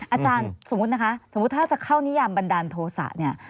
อาจารย์สมมุตินะคะสมมุติถ้าจะเข้านิยามบันดาลโทษะเนี่ย